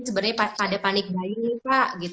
sebenarnya pada panik bayi pak